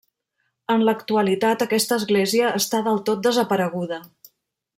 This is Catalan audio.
En l'actualitat aquesta església està del tot desapareguda.